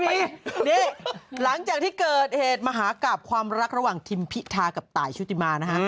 นี่หลังจากที่เกิดเหตุมหากราบความรักระหว่างทิมพิธากับตายชุติมานะฮะ